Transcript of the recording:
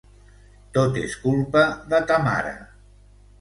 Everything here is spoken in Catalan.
Tot és culpa de ta mare.